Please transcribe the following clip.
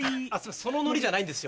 その海苔じゃないんですよ